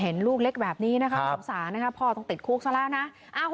เห็นลูกเล็กแบบนี้นะคะสงสารนะคะพ่อต้องติดคุกซะแล้วนะ